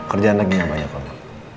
kerjaan lagi yang banyak orang